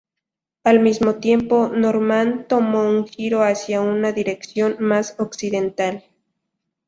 Al mismo tiempo, Norman tomó un giro hacia una dirección más occidental.